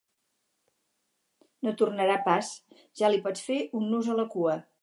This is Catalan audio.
No tornarà pas: ja li pots fer un nus a la cua.